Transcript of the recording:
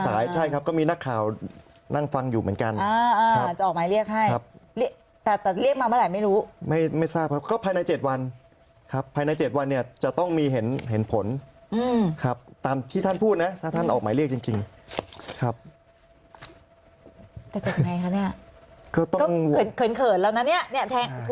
แต่จะยังไงคะเนี่ยก็เผื่อนเขินแล้วนะเนี่ยแทนคุณลุงเผื่อนเขินแล้วนะเนี่ย